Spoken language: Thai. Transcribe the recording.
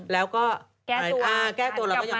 แล้วก็แก้ตัวเลย